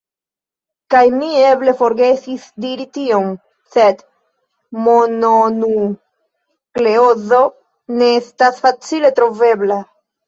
Kaj mi eble forgesis diri tion, sed mononukleozo ne estas facile trovebla.